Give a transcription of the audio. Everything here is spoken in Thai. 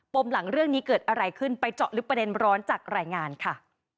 มหลังเรื่องนี้เกิดอะไรขึ้นไปเจาะลึกประเด็นร้อนจากรายงานค่ะ